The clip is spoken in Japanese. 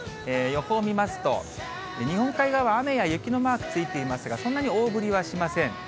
予報見ますと、日本海側、雨や雪のマークついていますが、そんなに大降りはしません。